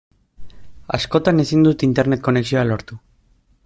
Askotan ezin dut Internet konexioa lortu.